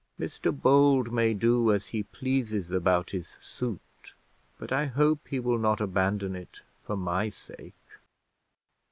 Mr Bold may do as he pleases about his suit, but I hope he will not abandon it for my sake."